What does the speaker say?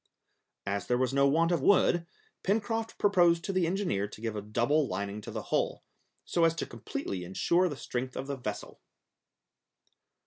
As there was no want of wood, Pencroft proposed to the engineer to give a double lining to the hull, so as to completely insure the strength of the vessel.